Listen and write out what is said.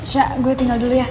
sya gue tinggal dulu ya